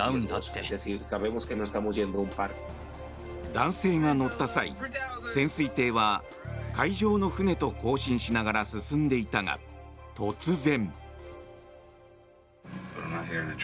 男性が乗った際潜水艇は海上の船と交信しながら進んでいたが、突然。